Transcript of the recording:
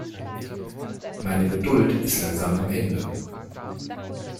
Meine Geduld ist langsam am Ende.